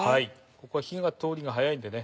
ここは火の通りが早いんでね